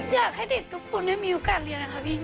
อยากให้เด็กทุกคนได้มีโอกาสเรียนนะคะพี่